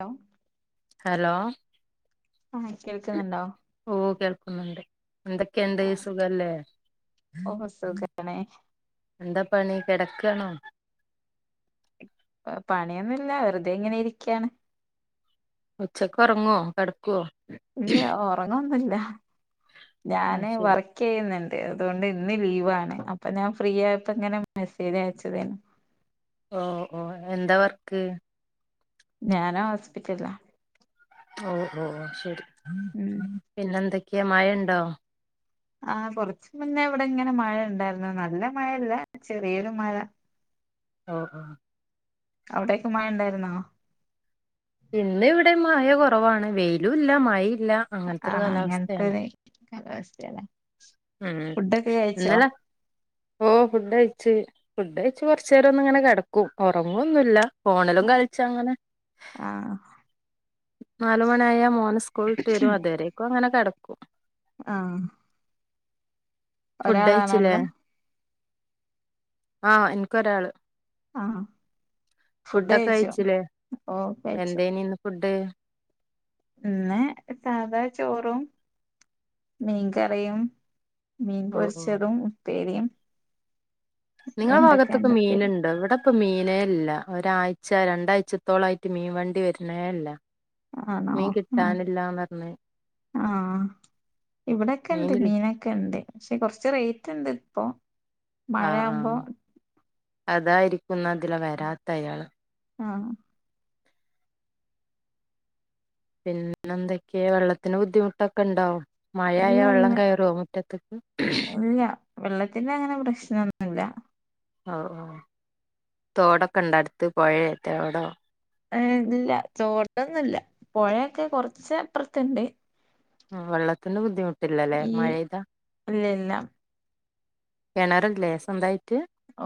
Hello hello ആ കേൾക്ക്ന്ന്ണ്ടോ ഓ കേൾക്കുന്നുണ്ട് എന്തൊക്കെണ്ട് ആ സുഖല്ലേ ഓ സുഖാണ് എന്താ പണി കെടക്കാണോ പണിയൊന്നുല്ല വെറുതെ ഇങ്ങനെ ഇരിക്കാണ് ഉച്ചക്കൊറങ്ങോ കെട്ക്കോ ഇല്ല ഒറങ്ങൊന്നുല്ല ആ ഞാന് ശരി വർ ക്കെയ്യ്ന്ന്ണ്ട് അതോണ്ട് ഇന്ന് ലീവാണ് അപ്പൊ ഞാൻ ഫ്രീയായപ്പോങ്ങനെ മെസ്സേജ് അയച്ചതേന് ഓ ഓ എന്താ വർക്ക് ഞാനാ ഹോസ്പിറ്റല്ലാ ഓ ഓ ഓ ശെരി ഉം പിന്നെന്തൊക്ക്യാ മഴണ്ടോ ആ കൊർച്ച് മുന്നേ ഇവടെങ്ങനെ മഴണ്ടായിരുന്നു നല്ല മഴയല്ല ചെറിയൊരു മഴ ആ ആ അവിടെയൊക്കെ മഴണ്ടായിര്ന്നോ ഇന്ന് വടേം മഴ കൊറവാണ് വെയ്ലും ല്ല മഴേല്ല ആഹ അങ്ങൻത്തൊര് കാലാവസ്ഥ യാല്ലേ ഉം ഇന്നലെ ഓ ഫുഡ് കഴിച്ച് ഫുഡയ്ച്ച് കൊർച്ചേരൊന്ന്ങ്ങനെ കെടക്കും ഒറങൊന്നുല്ല ഫോണിലും കളിച്ചങ്ങനെ ആഹ് നാല് മണിയായ മോന് സ്കൂള്ട്ട് വെരും അത്വെരേക്കും അങ്ങനെ കെടക്കും ആഹ് ഫുഡ് കഴിച്ചില്ലേ ഒരാളാണല്ലേ ആ ഇൻക്കൊരാള് ആ ഫുഡ് ഫുഡൊക്കെ കഴിച്ചോ കഴിച്ചിലെ ഓ കഴിച്ചു എന്തേനി ഇന്ന് ഫുഡ് ഇന്ന് സാധാ ചോറും മീൻകറിയും മീൻ ഓ ഓ പൊരിച്ചതും ഉപ്പേരിം നിങ്ങളെ ഭാഗത്ത്ക്ക് മീന്ണ്ടോ ഇവടെ ഇപ്പൊ മീനേല്ല ഒരാഴ്ച രണ്ടാഴ്ചത്തോളായിട്ട് മീൻ വണ്ടി വെര്ണേല്ല ആണോ ആഹ് പറഞ്ഞ് ആഹ് ഇവിടെക്കെണ്ട് മീനില്ല മീനൊക്കെണ്ട് പക്ഷെ കൊർച്ച് റെയ്റ്റ്ണ്ട് പ്പോ ആ ആ അതായിരിക്കും ന്ന ഇതിലെ വെരാത്തയാള് ആഹ് പിന്നെന്തൊക്കെ വെള്ളത്തിന് ബുദ്ധിമുട്ടൊക്കെണ്ടോ മഴായ ഇല്ല വെള്ളം ഇല്ല കേറോ മുറ്റത്ത്ക്ക് വെള്ളത്തിന്റങ്ങനെ പ്രശ്നൊന്നുല്ല ഓ ഓ തോടൊക്കെണ്ടോ അട്ത്ത് പൊഴേറ്റ വടെ ആ ഇല്ല ചോടൊന്നില്ല പൊഴയൊക്കെ കൊർച്ച് അപ്പർത്ത്ണ്ട് ഉം വെള്ളത്തിന്റെ ബുദ്ധിമുട്ടില്ലല്ലേ ഈ മഴയ്താ ഇല്ല ഇല്ല കെണറില്ലേ സ്വന്തായിട്ട്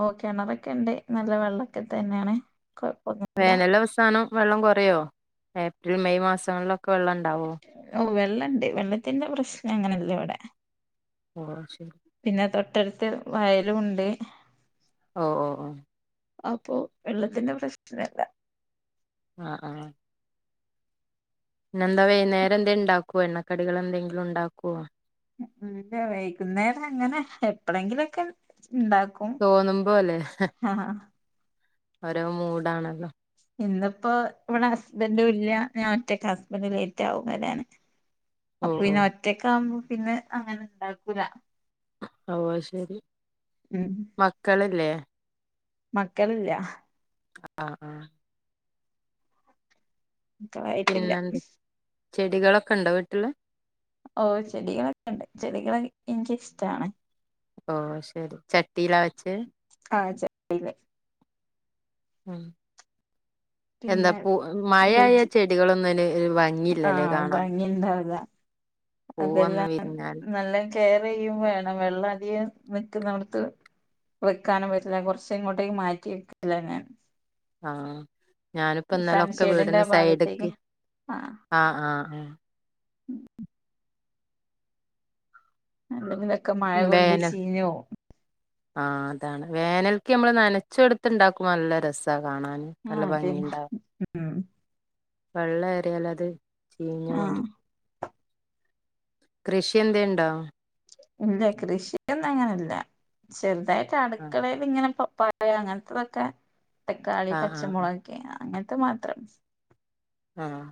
ഓഹ് കെണറൊക്കെണ്ട് നല്ല വെള്ളക്കെ തന്നേണ് കൊഴപ്പൊന്നു വേനലവസാനം വെള്ളം കൊറയോ, ഏപ്രിൽ മെയ് മാസങ്ങളിലൊക്കെ വെള്ളണ്ടാവോ ഓഹ് വെള്ളണ്ട് വെള്ളത്തിന്റെ പ്രശ്നങ്ങനെല്ല വടെ ഓ ശരി - പിന്നെ തൊട്ടടുത്ത് വയലുണ്ട് ഓ ഓ ഓ അപ്പൊ വെള്ളത്തിന്റെ പ്രശ്നല്ല ആഹ് ആഹ് പിന്നെന്താ വൈന്നേരം എന്തേ ണ്ടാക്കോ, എണ്ണക്കടികൾ എന്തെങ്കിലും ണ്ടാക്കോ ല്ല വൈകുന്നേരങ്ങനെ എപ്പളെങ്കിലക്കെ ണ്ടാക്കും തോന്നുമ്പോല്ലേ ഓരോ മൂഡാണല്ലോ ഇന്ന്പ്പോ ഇവിടെ ഹസ്ബൻഡും ഇല്ല, ഞാഒറ്റക്ക ഹസ്ബൻഡ് ലേറ്റാകും വരാന് [inaudible] അപ്പൊ ഓ പിന്നെ ഒറ്റക്കാകുമ്പോ പിന്നെ അങ്ങനെണ്ടാക്കൂല ഓഹ് അത് ശരി ഉം മക്കള്ല്ലേ മക്കള് ല്ല ആഹ് ആഹ് മക്കളായിട്ടില്ല പിന്നെന്താ ചെടികളൊക്കെണ്ടോ വീട്ടില് ഓഹ് ചെടികളൊക്കെണ്ട്. ചെടികളൊക്കെ എൻക്കിഷ്ടാണ് ഓ ശെരി ചട്ടീലാ വെച്ചേ ആഹ് ചട്ടീല് ഉ എന്താ പിന്നെ പു മഴായ വെജി ചെടികളൊന്ന്ന് വാങ്ങി ആഹ് ഭംഗിണ്ടാവുല, പൂവൊന്നും അതെല്ലാം വിരിഞ്ഞാൽ നല്ല- കെയറെയ്യും വേണം വെള്ളധികം നിക്കുന്നോട്ത്ത് വെക്കാനും പറ്റില്ല, കൊർച്ചെങ്ങോട്ടേങ്കു മാറ്റി വെക്കല ഞാൻ ആഹ് ഞാനുപ്പന്നാലൊക്കെ സൺഷെയ്ഡിന്റെ വീടിന് ആ ഭാഗത്തേക്ക് സൈഡ്ക്ക് ആഹ് ആഹ് ആഹ് അല്ലെങ്കിലൊക്കെ മഴകൊണ്ട് വേനൽ ചീഞ്ഞോവും ആഹ് അതാണ്. വേനൽക്ക് നമ്മള് നനച്ചൊട്ത്ത്ണ്ടാക്കുമ്പോ നല്ല രസാ കാണാന് നല്ല ആഹ് അതെ ഭംഗിണ്ടാവും. ഉം വെള്ളേറിയാൽ അത് ചീഞ്ഞു പോവുണ്ട്. ആഹ് കൃഷിന്തേ ണ്ടോ ഇല്ല കൃഷിയൊന്നും അങ്ങനെല്ല ചെർതായിട്ട് ആഹ് അടുക്കളെ ല്ങ്ങനെ പപ്പായ അങ്ങൻത്തതൊക്കെ തക്കാളി ആഹ് ആഹ് പച്ചമുളകൊക്കെ അങ്ങൻത്തെ മാത്രം ആഹ്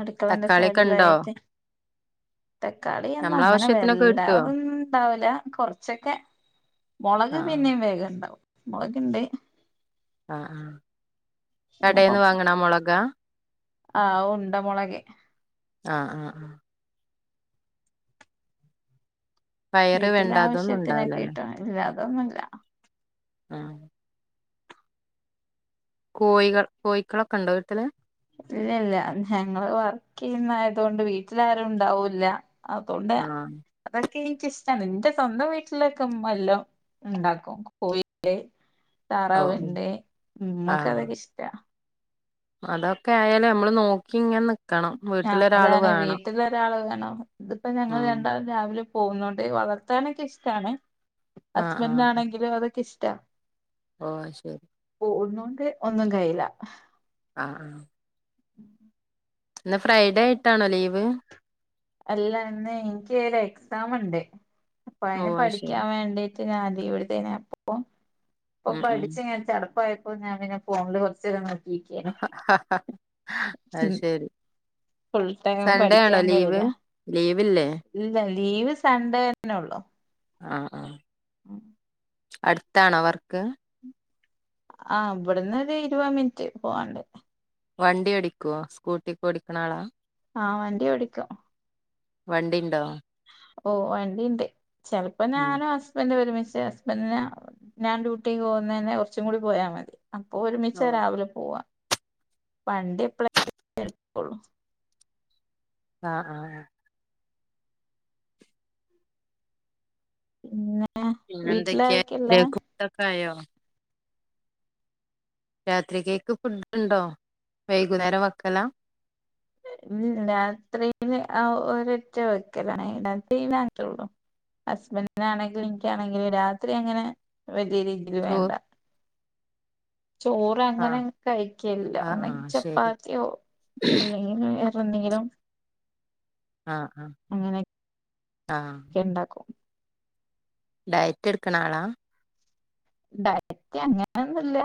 അടുക്കളന്റെ തക്കാളിയൊക്കെ ഇണ്ടോ സൈഡിലായിട്ട് തക്കാളി ഒന്നും അങ്ങനെ ആവശ്യത്തിനൊക്കെ കിട്ടുവോ വല്ലാതൊന്നും ണ്ടാവുല കൊർച്ചൊക്കെ മോളക് ആഹ് പിന്നേ വേഗംണ്ടാവും മുളക്ണ്ടയ് ആഹ് ആഹ് പിന്നെ പ കടേന്ന് വാങ്ങ്ണ മൊളകാ ആഹ് ഉണ്ട മൊളകെ ആഹ ആഹ ആഹ പയറ് വീട്ടിലെ വെണ്ട അതൊന്നും ആവശ്യത്തിനൊക്കെ ഉണ്ടാവില്ലല്ലേ കിട്ടും ഇല്ലാതൊന്നുയില്ല ആഹ കോഴികൾ കോഴക്കളൊക്കെ ഇണ്ടോ വീട്ടില് ഇല്ല ഇല്ല ഞങ്ങള് വർക്ക് ചെയ്യുന്ന ആയതോണ്ട് വീട്ടിൽ ആരും ഇണ്ടാവൂല്ല അതുകൊണ്ട് ആഹ് അതൊക്കെ എനിക്കിഷ്ടാണ് ഇന്റെ സ്വന്തം വീട്ടിലൊക്കെ ഉമ്മ എല്ലും ഉണ്ടാക്കും കോഴിണ്ട് ഓ താറാവ്ണ്ട് മ്മക്ക് ആഹ് അതൊക്കെ ഇഷ്ടാ അതൊക്കെ ആയാലും നമ്മള് നോക്കി ഇങ്ങ ആഹ അതാണ് വീട്ടിൽ ഒരാൾ വേണം ഇതിപ്പോ ഞങ്ങൾ ഉം രണ്ടാൾ രാവിലെ പോകുന്നൊണ്ട് വളർത്താനൊക്കെ ഇഷ്ടാണ് ആഹ് ഹസ്ബൻഡാണെങ്കിലും അതൊക്കെ ഇഷ്ടാ ഓഹ ശെരി പോക്കുന്നൊണ്ട് ഒന്നും കഴില്ല ആഹ [inaudible] ഇന്ന് ഫ്രൈഡേ ആയിട്ടാണോ ലീവ് അല്ല ന്ന് എനിക്ക് ഒരു എക്സാം ഇണ്ട് അപ്പൊ ഓ അതിന് അത് പഠിക്കാൻ ശരി വേണ്ടി ഞാൻ ലീവ് എടുതെനാ അപ്പൊ ഇപ്പൊ ഉം ഉം പഠിച്ചങ്ങനെ ചടപ്പായ അപ്പൊ ഞാൻ പിന്നെ ഫോണില് കുറചേരം ഇങ്ങനെ അഹ് ശെരി ഫുൾ ടൈം സൺഡേ ആണോ പഠിക്കാൻ ലീവ് കഴിയില്ല ലീവില്ലേ ഇല്ല ലീവ് സൺണ്ടേ തന്നെ ഒള്ളു ആഹ [inaudible] അടുതാണോ വർക്ക് ആഹ ഇവിടന്ന് ഒരു ഇരുപത് മിനിറ്റ് പോവാണ്ട് വണ്ടി ഓടിക്കുവോ സ്കൂട്ടിക്കെ ഓടിക്കണ ആളാ ആഹ് വണ്ടി ഓടിക്കും വണ്ടി ഉണ്ടോ ഓഹ വണ്ടിണ്ട് ചെലപ്പോ ഉം ഞാനും ഹസ് ഹസ്ബൻഡ് ഒരുമിച്ച് ഹസ്ബൻന്റിന് ഞാൻ ഡ്യൂട്ടി പോകുന്നെന്റെ കുറച്ചും കൂടി പോയാൽ മതി അപ്പൊ ഒരുമിച്ച രാവിലെ പോവാ വണ്ടി എപ്പളെങ്കിലും എടുക്കുള്ളു ആഹ ആഹ ആഹ പിന്നെ പിന്നെന്തൊക്കെയാ വീട്ടിലാരൊക്കെയുള്ളേ ഉച്ചക്കക് ഫുടൊക്കെ ആയോ രാത്രി കേക്ക് ഫുഡ് ഉണ്ടോ വൈകുന്നേരം വെക്കാല രാത്രിയിൽ ആഹ ഒരൊറ്റ വെക്കലാണ് രാത്രി [unintelligible] ഹസ്ബൻഡിനാണെങ്കിലും ഇനിക്കാണെങ്കിലും രാത്രി അങ്ങനെ വലിയ രീതിയിൽ ചോ വേണ്ട ചോറ് അങ്ങനെ ആഹ് കഴിക്കലില്ല ആഹ് ഒന്നെങ്കിൽ ആഹ് ശരി ചപ്പാത്തിയോ അല്ലെങ്കിൽ ഒന്നെങ്കിലും ആഹ്.. ആഹ അങ്ങനെ ഒക്കെ ഉണ്ടാക്കും ഡയറ്റെടുക്കണ ആളാ ഡയറ്റ് അങ്ങനെയൊന്നുമില്ല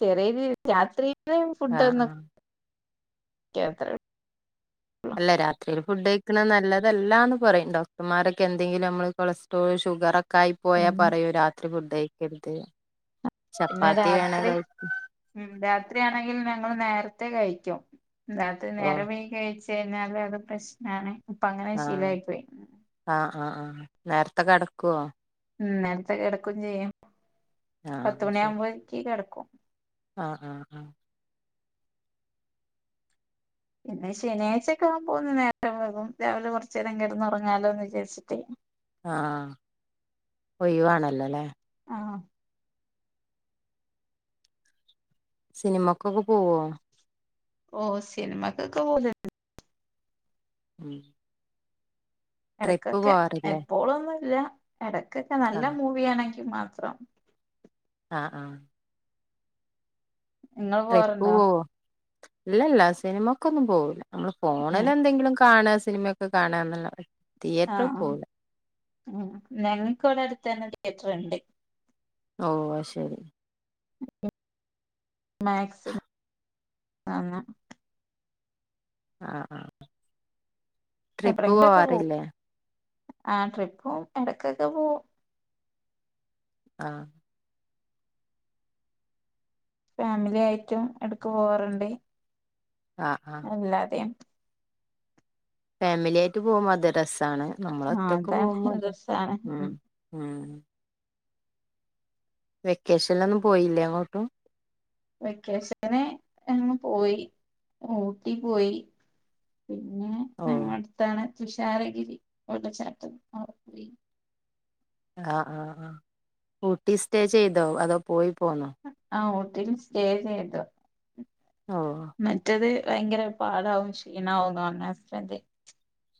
ചെറിയരീതിയിൽ രാത്രിയിൽ [unintelligible] ഫുഡ് ആഹ് [unintelligible] ആഹ് അത്രള്ളൂ അല്ല രാത്രിൽ ഫുഡു കഴിക്കണത് നല്ലതല്ലാന്നു പറയും, ഡോക്ടർമാരൊക്കെയെന്തെങ്കിലും നമ്മള് കൊളസ്ട്രോൾ ഷുഗറൊക്കെ കായിപോയാ ഉം പറയൂ രാത്രി ഫുഡുകഴിക്കരുത് പിന്നെ ചപ്പാത്തി രാത്രി വേണകഴി ഉം രാത്രിയാണെങ്കിൽ ഞങ്ങളു നേരത്തെ കഴിക്കും ഓ രാത്രിനേരം വൈകി കഴിച്ചുകഴിഞ്ഞാലത് പ്രശ്നാണ് അപ്പൊ ആഹ് അങ്ങനെശീലമായി പോയി ആഹ് ആഹ് ആഹ് നേരത്തെ കിടക്കുവോ ഉം നേരത്തെ കിടക്കും ചെയ്യും പത്ത് ആഹ് ശരി മണിയാകുമ്പോഴേക്ക് കിടക്കും ആഹ് ആഹ് പിന്നെ ശനിയാഴ്ചയൊക്കെ ആ കുമ്പോന്നുനേരത്തെ പോകും രാവിലെ കൊറച്ചു നേരം കിടന്നുറങ്ങാലോയെന്നു വിചാരിച്ചിട്ടേ ആഹ് ഒഴിവാണല്ലോ ല്ലേ ആഹ് സിനിമക്കൊക്കെ പോവോ ഓഹ് സിനിമാക്ക് ഒക്കെ പോകലുണ്ട് ഉം ട്രിപ്പ് ഇടയ്ക്കൊക്കെ പോവാറില്ലേ എപ്പോളൊന്നു ല്ല ഇടയ്ക്കൊക്കെ നല്ല ആഹ് മൂവിയാണെങ്കി മാത്രം ആഹ് ആഹ് നിങ്ങൾ ട്രിപ്പു പോവാറുണ്ടോ പോകുവോ ഇല്ലില്ല സിനിമക്കൊന്നും പോവില്ല ഏഹ് നമ്മളുഫോണിൽ എന്തെങ്കിലും കാണ സിനിമയൊക്കെ കാണുന്നുള്ള ആഹ് ആ ഞങ്ങക്കി വിടെയടുത്തുതന്നെ തിയേറ്ററുണ്ട് ഓഹ് അഹ് ശരി മാക്സിമം നന്നാ ആഹ് ആഹ് ട്രിപ്പ് എപ്പളെങ്കിലുക്കെപോവും പോവാറില്ലേ ആ ട്രിപ്പും എടയ്ക്കൊക്കെ പോവും ആഹ് ഫാമിലിയായിട്ടും എടക്കു പോവാറുണ്ടേ ആഹ് ആഹ് അല്ലാതെയും ഫാമിലിയായിട്ടു പോകുമ്പോ തു രസാണ് ആഹ് നമ്മളൊറ്റക്കു പോകുമ്പോ അതാണ് അത് രസാണ് ഉം ഉം വെക്കേഷനിലൊന്നും പോയില്ലേ യെങ്ങോട്ടും വെക്കേഷനിങ്ങനെയങ്ങു പോയി ഊട്ടിപ്പോയി പിന്നെ ഓ നമ്മടുയടുത്താണ് തുഷാരഗിരി വെള്ളചാട്ടം അവിടെപ്പോയി ആഹ് ആഹ് ആഹ് ഊട്ടിയിൽ സ്റ്റേ ചെയ്തോ അതോപോയി പോന്നോ ആഹ്, ഊട്ടിയിൽ സ്റ്റേ ചെയ്തു ഓഹ് മറ്റത് ഭയങ്കരപാടാവും ക്ഷീണാവും പറഞ്ഞു ഹസ്ബന്റ്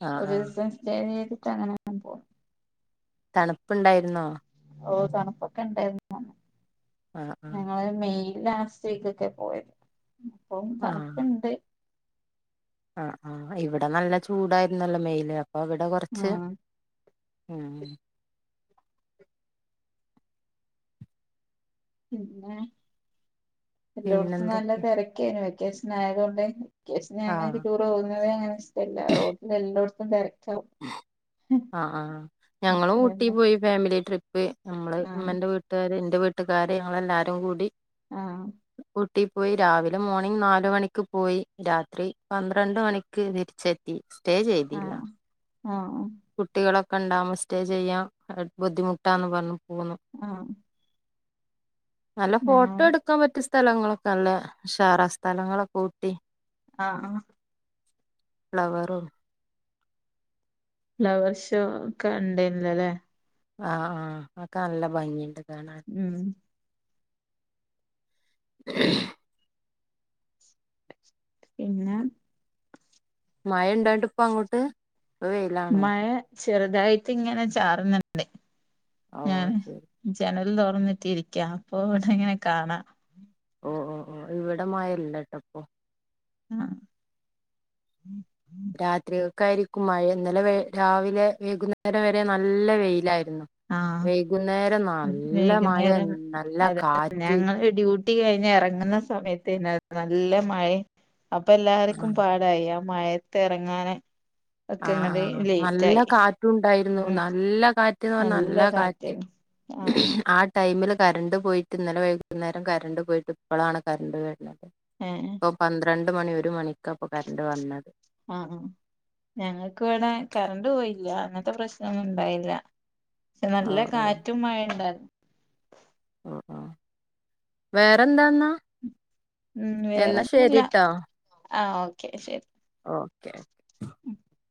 ആഹ് ഒരു ആഹ് ദിസം സ്റ്റേ ചെയ്തിട്ടങ്ങനെ തന്നെ പോവും തണുപ്പുണ്ടായിരുന്നോ ഓ തണുപ്പൊക്കെയുണ്ടായിരുന്നു ആഹ് ആഹ് ഞങ്ങളു മെയ്യ് ലാസ്റ്റുവീക്കൊക്കയാ പോയത് അപ്പം ആഹ് തണുപ്പുണ്ട്. ആഹ് ആഹ് ഇവിടെ നല്ല ചൂടായിരുന്നല്ലോ മെയ്യില് അപ്പൊയിവിടെ ആ കുറച്ച് ഉം പിന്നെ എല്ലോട്ത്തും നല്ല പിന്നെന്തൊക്കെയ തിരക്കായിരുന്നു വെക്കേഷനായതുകൊണ്ട് യെസ് ആഹ് ഞങ്ങൾക്കു ടൂറ് പോകുന്നതെയങ്ങനെയിഷ്ടമല്ല എല്ലായിടത്തും തെരക്കാവും ആഹ് ആഹ് ആ ഞങ്ങളു ഊട്ടി ഹസ്ബൻഡ് പോയി ഫാമിലി ട്രിപ്പ് നമ്മള് ആഹ് ഉമ്മന്റെ വീട്ട വീട്ടുകാര് ഇന്റെ വീട്ടുകാര് ഞങ്ങളെല്ലാവരും കൂടി ആഹ് ആഹ് ഊട്ടീ പോയി രാവിലെ മോണിംഗ് നാല് മണിക്ക് പോയി രാത്രി പന്ത്രണ്ട് മണിക്ക് തിരിച് ത്തി സ്റ്റേ ചെയ്തില്ല ആഹ് ആഹ് കുട്ടികളൊക്കെണ്ടാകുമ്പോ സ്റ്റേ ചെയ്യാൻ ബുദ്ധിമുട്ടാന്ന് പറഞ്ഞു പോന്നു. ആ. നല്ല ഫോട്ടോ എടു ക്കാൻ പറ്റിയ സ്ഥലങ്ങളൊക്കെ നല്ല ഉഷാറാ സ്ഥലങ്ങളൊക്കെ ഊട്ടി. ആ, ആ. ഫ്ലവറും. ഫ്ലവർഷോ ഒക്കെ ഉണ്ടെൻലലോ? ആ, ആ, അക്കെ നല്ല ഭംഗിണ്ട് കാണാൻ. ഉം. [unintelligible] [inaudible] പിന്നെ. മഴ ണ്ടോന്നട്ട്പ്പങ്ങോട്ട്. മഴ ചെറുതായിട്ട്ങ്ങനെ ചാറുന്നുണ്ട്, ഓ ഏഹ്. ശരി ജനൽ തുറന്നിട്ടിരിക്കാ അപ്പോ ഇങ്ങനെ കാണ ഓ, ഓ, ഓ ഇവിടെ മഴ ല്ലട്ടോപ്പോ. ആ. രാത്രിക്കക്കായിരിക്കും മഴ ഇന്നലെ രാവിലെ വൈകുന്നേരം വരെ നല്ല വെയിലായിരുന്നു. ആഹ് വൈകുന്നേരം നല്ല മഴ വൈകുന്നേരം നല്ല അതെ കാറ്റ്. ഞങ്ങള് ഡ്യൂട്ടി കഴിഞ്ഞെറങ്ങുന്ന സമയത്ത് തന്നെ നല്ലമഴ അപ്പോ എല്ലാവർക്കും ആഹ് പാട്ട് തായി ആ, മഴത്തെറങ്ങാന് ആ, ആ നല്ല കാറ്റുണ്ടായിരുന്നു. ഉം നല്ല കാറ്റ് നല്ല കാറ്റ്പറഞ്ഞാൽ, ആഹ് ആ ടൈമില് കറണ്ട് പോയിട്ട് ഇന്നലെ വൈകുന്നേരം കറണ്ട് പോയിട്ട് പ്പളാണ് കറണ്ട് വര്ണത്. ഏ. പ്പോ പന്ത്രണ്ട് മണി, ഒരു മണിക്കാപ്പോ കറണ്ട് വന്നത്. ആ, ആ. ഞങ്ങൾക്ക് ഇവിടെ കറണ്ട് പോയില്ല. അങ്ങൻത്തെ പ്രശ്നൊന്നും ഉണ്ടായില്ല. പക്ഷേ ഓ നല്ല ഓ കാറ്റും മഴയുംണ്ടായിരുന്നു. ഓ, ഓ, വേറെന്താന്നാ എന്നാ ശരിട്ടോ. ആ, ഓക്കെ ശരി. ഓക്കെ. ഉം [inaudible]